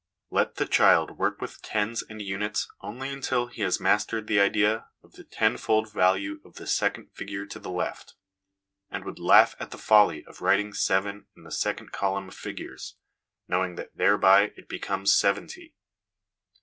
Let the child work with tens and units only until he has mastered the idea of the tenfold value of the second figure to the left, and would laugh at the folly of writing 7 in the second column of figures, knowing that thereby it becomes seventy.